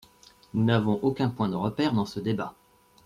Nous n’avons aucun point de repère dans ce débat.